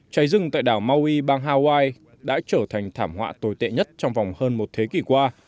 cháy rừng tại đảo maui bang hawaii đã trở thành thảm họa tồi tệ nhất trong vòng hơn một thế kỷ qua